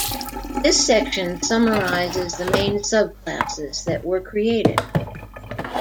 This section summarises the main sub-classes that were created.